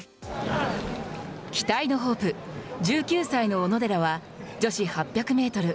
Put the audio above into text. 期待のホープ１９歳の小野寺は女子８００メートル